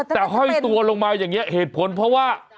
แต่ห้อยตัวลงมาอย่างนี้เหตุผลเพราะว่า